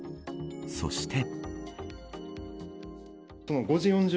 そして。